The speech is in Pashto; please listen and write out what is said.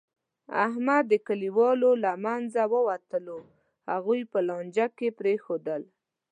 احمد د کلیوالو له منځه ووتلو، هغوی په لانجه کې پرېښودل.